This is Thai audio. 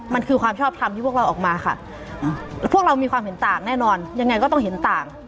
มันคือความชอบทำที่พวกเราออกมาค่ะพวกเรามีความเห็นต่างแน่นอนยังไงก็ต้องเห็นต่าง